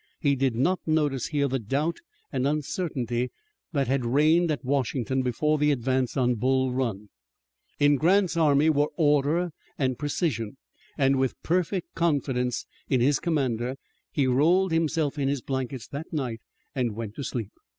He did not notice here the doubt and uncertainty that had reigned at Washington before the advance on Bull Run; in Grant's army were order and precision, and with perfect confidence in his commander he rolled himself in his blankets that night and went to sleep.